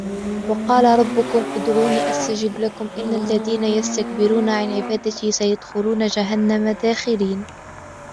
وَقَالَ رَبُّكُمُ ادْعُونِي أَسْتَجِبْ لَكُمْ إِنَّ الَّذِينَ يَسْتَكْبِرُونَ عَنْ عِبَادَتِي سَيَدْخُلُونَ جَهَنَّمَ دَاخِرِينَ